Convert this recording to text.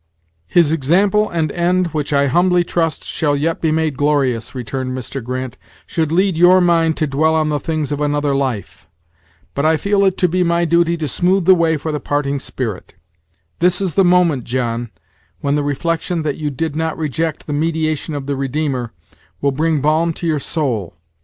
"His example and end, which, I humbly trust, shall yet be made glorious," returned Mr. Grant, "should lead your mind to dwell on the things of another life. But I feel it to be my duty to smooth the way for the parting spirit. This is the moment, John, when the reflection that you did not reject the mediation of the Redeemer, will bring balm to your soul.